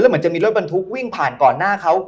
เหมือนจะมีรถบรรทุกวิ่งผ่านก่อนหน้าเขา